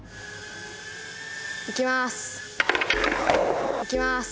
行きます。